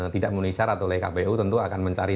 tidak munisyarat oleh kpu tentu akan mencari